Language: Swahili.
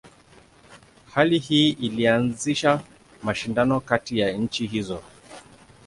Hali hii ilianzisha mashindano kati ya nchi hizo.